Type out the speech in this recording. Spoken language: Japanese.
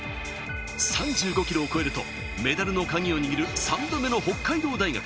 ３５キロを超えると、メダルの鍵を握る３度目の北海道大学。